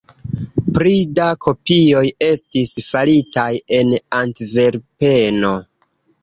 Pli da kopioj estis faritaj en Antverpeno.